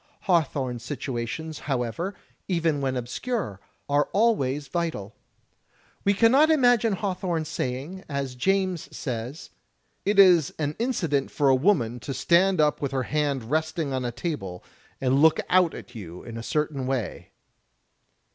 Hawthorne's situations, however, even when obscure, are always vital. We cannot imagine Hawthorne saying, as James says, " It is an incident for a woman to stand up with her hand resting on a table and look out at you in a certain way."